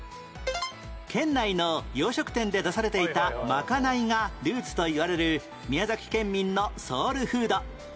県内の洋食店で出されていたまかないがルーツといわれる宮崎県民のソウルフード